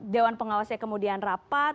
dewan pengawasnya kemudian rapat